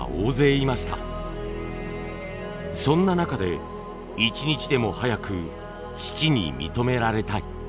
そんな中で一日でも早く父に認められたい。